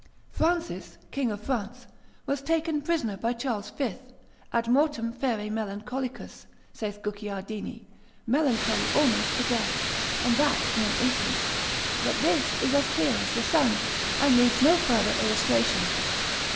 Francis King of France was taken prisoner by Charles V., ad mortem fere melancholicus, saith Guicciardini, melancholy almost to death, and that in an instant. But this is as clear as the sun, and needs no further illustration.